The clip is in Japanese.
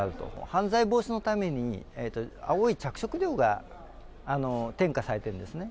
犯罪防止のために青い着色料が添加されているんですね。